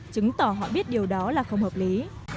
chứng tỏ họ biết điều đó là không hợp lý